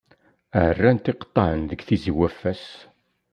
Ɛerran-t iqeṭṭaɛen deg Tizi-Waffas.